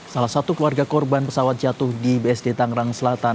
salah satu keluarga korban pesawat jatuh di bsd tangerang selatan